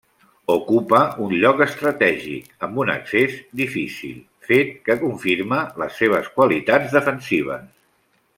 Ocupa un lloc estratègic, amb un accés difícil, fet que confirma les seves qualitats defensives.